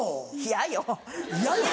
「嫌よ」。